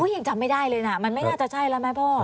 ยังจำไม่ได้เลยนะมันไม่น่าจะใช่แล้วไหมพ่อ